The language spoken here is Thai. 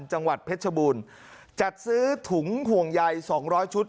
จังหวัดเพชรบูรณ์จัดซื้อถุงห่วงใยสองร้อยชุด